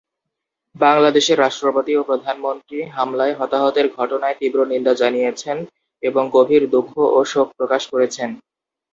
বাংলাদেশের রাষ্ট্রপতি ও প্রধানমন্ত্রী হামলায় হতাহতের ঘটনায় তীব্র নিন্দা জানিয়েছেন এবং গভীর দুঃখ ও শোক প্রকাশ করেছেন।